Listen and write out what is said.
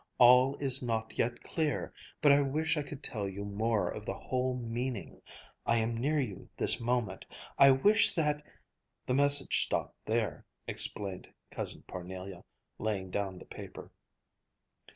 All is not yet clear, but I wish I could tell you more of the whole meaning. I am near you this moment. I wish that ' The message stopped there," explained Cousin Parnelia, laying down the paper.